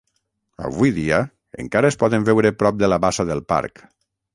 Avui dia, encara es poden veure prop de la bassa del parc.